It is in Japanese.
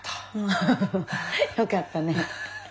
ああよかったね。